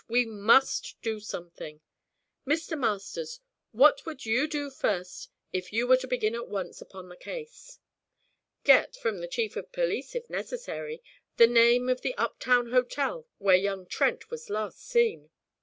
We must do something. Mr. Masters, what would you do first if you were to begin at once upon the case?' 'Get, from the chief of police if necessary, the name of the up town hotel where young Trent was last seen.'